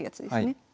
はい。